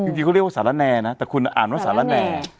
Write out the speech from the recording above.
จริงจริงเขาเรียกว่าสารแน่นะแต่คุณอ่านว่าสารแน่สารแน่